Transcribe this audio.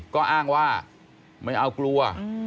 ก็อ้างว่าไม่เอากลัว